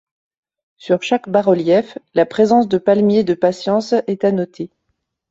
Sur chaque bas relief, la présence de palmiers de patience est à noter.